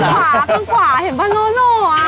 ข้างกว่าเห็นแปลโล